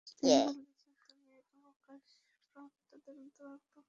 তিনি বললেন, তুমি অবকাশ প্রাপ্তদের অন্তর্ভুক্ত হলে—অবধারিত সময় উপস্থিত হওয়ার দিন পর্যন্ত।